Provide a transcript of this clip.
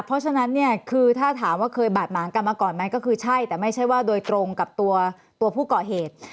เพราะฉะนั้นเนี่ยคือถ้าถามว่าเคยบาดหมางกันมาก่อนไหมก็คือใช่แต่ไม่ใช่ว่าโดยตรงกับตัวผู้ก่อเหตุ